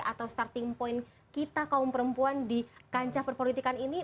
atau starting point kita kaum perempuan di kancah perpolitikan ini